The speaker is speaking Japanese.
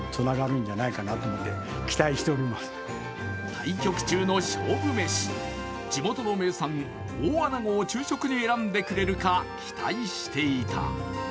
対局中の勝負メシ、地元の名産、大あなごを昼食に選んでくれるか期待していた。